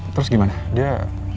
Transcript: terus gimana dia